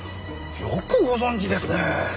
よくご存じですね。